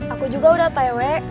aku juga udah tewe